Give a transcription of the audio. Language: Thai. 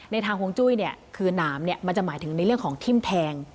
ทางฮวงจุ้ยคือหนามมันจะหมายถึงในเรื่องของทิ้มแทง